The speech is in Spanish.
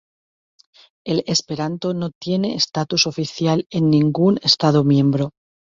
El esperanto no tiene estatus oficial en ningún Estado miembro.